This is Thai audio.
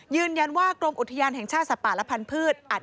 ยืนยันว่ากรมอุทยานแห่งชาติสัตว์ป่าและพันธุ์